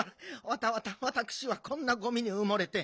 わたわたわたくしはこんなゴミにうもれて